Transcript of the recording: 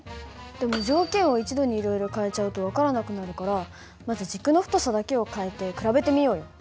でも条件を一度にいろいろ変えちゃうと分からなくなるからまず軸の太さだけを変えて比べてみようよ。